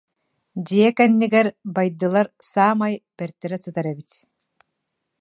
Дьиэ кэннигэр байдылар саамай бэртэрэ сытар эбит